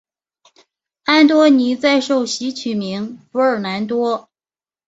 安多尼在受洗取名福尔南多。